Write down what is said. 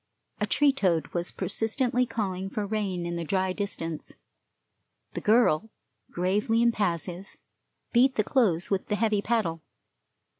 A tree toad was persistently calling for rain in the dry distance. The girl, gravely impassive, beat the clothes with the heavy paddle.